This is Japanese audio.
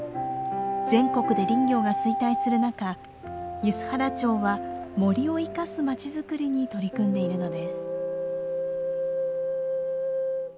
全国で林業が衰退する中梼原町は森を生かす町づくりに取り組んでいるのです。